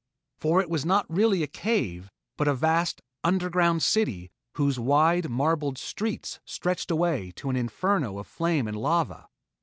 For it was not really a cave, but a vast underground city whose wide, marble streets stretched away to an inferno of flame and lava.